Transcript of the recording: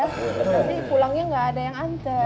nanti pulangnya gak ada yang antar